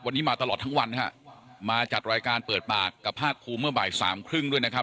วันนี้มาตลอดทั้งวันฮะมาจัดรายการเปิดปากกับภาคภูมิเมื่อบ่ายสามครึ่งด้วยนะครับ